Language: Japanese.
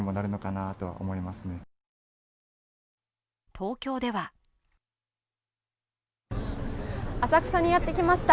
東京では浅草にやってきました。